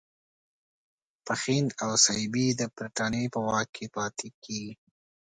پښین او سیبی د برټانیې په واک کې پاتیږي.